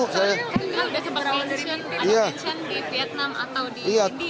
karena penerbangan air di vietnam atau di india